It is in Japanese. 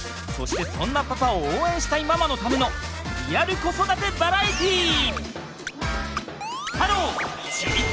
そしてそんなパパを応援したいママのためのリアル子育てバラエティー！